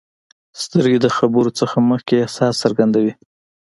سترګې د خبرو نه مخکې احساس څرګندوي